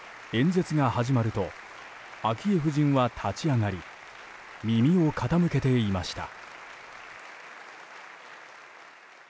演説が始まると昭恵夫人は立ち上がり耳を傾けていました。